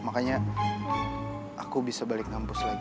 makanya aku bisa balik kampus lagi